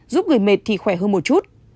giúp người mệt thì khỏe hơn một chút